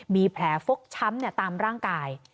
มีแผลฟกช้ำตามร่างกาย